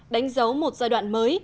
đánh dấu một giai đoạn mới